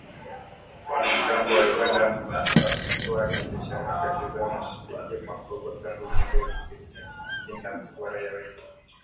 wanamgambo wa Uganda ambao wamekuwa wakiendesha harakati zao mashariki mwa Kongo tangu miaka ya elfu mbili mia tisa tisini na kuua raia wengi